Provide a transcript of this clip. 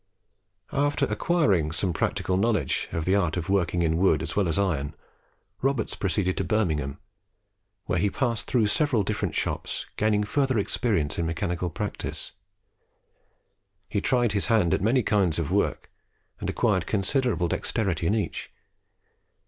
After acquiring some practical knowledge of the art of working in wood as well as iron, Roberts proceeded to Birmingham, where he passed through different shops, gaining further experience in mechanical practice. He tried his hand at many kinds of work, and acquired considerable dexterity in each.